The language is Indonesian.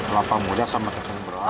kelapa muda sama kue pancong beras